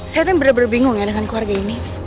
saya tuh bener bener bingung ya dengan keluarga ini